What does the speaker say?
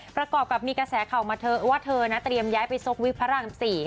ประกอบกับมีกระแสเข้าว่าเธอเตรียมย้ายไปศพวิพร่ำ๔